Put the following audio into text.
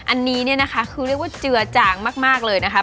อันนี้คือเรียกว่าเจือจางมากเลยนะคะ